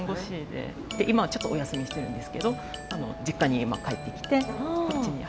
で今はちょっとお休みしてるんですけど実家に今帰ってきてこっちに。